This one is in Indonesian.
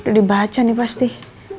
udah udah gak usah gak usah